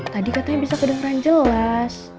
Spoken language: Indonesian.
tadi katanya bisa kedengeran jelas